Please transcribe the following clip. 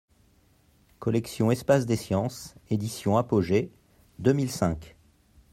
Collection Espace des sciences, Éditions Apogée, deux mille cinq.